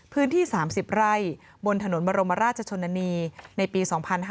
พื้นที่๓๐ไร่บนถนนบรมราชชนนานีในปี๒๕๕๙